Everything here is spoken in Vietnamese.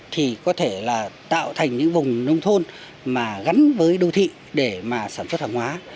thì có thể tạo thành những vùng nông thôn gắn với đô thị để sản xuất hàng hóa